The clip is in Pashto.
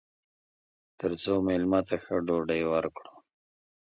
تر څو میلمه ته ښه ډوډۍ ورکړو.